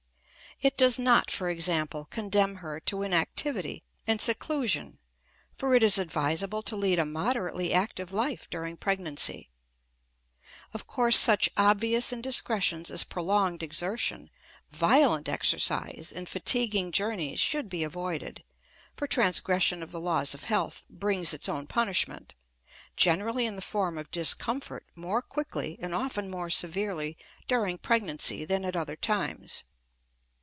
It does not, for example, condemn her to inactivity and seclusion, for it is advisable to lead a moderately active life during pregnancy. Of course, such obvious indiscretions as prolonged exertion, violent exercise, and fatiguing journeys should be avoided, for transgression of the laws of health brings its own punishment, generally in the form of discomfort, more quickly, and often more severely, during pregnancy than at other times.